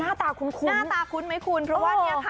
หน้าตาคุ้นหน้าตาคุ้นไหมคุณเพราะว่าเนี่ยค่ะ